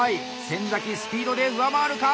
先スピードで上回るか？